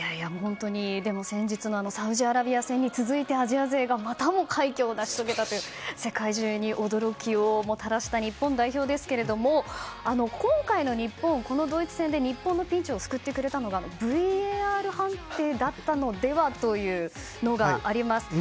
先日のサウジアラビア戦に続きアジア勢がまたも快挙を成し遂げたという世界中に驚きをもたらした日本代表ですが今回の日本、ドイツ戦で日本のピンチを救ってくれたのがＶＡＲ判定だったのではというのがあります。